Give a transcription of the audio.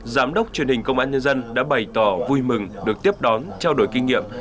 giám đốc truyền hình công an nhân dân đã bày tỏ vui mừng được tiếp đón trao đổi kinh nghiệm